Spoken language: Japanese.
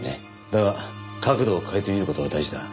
だが角度を変えて見る事は大事だ。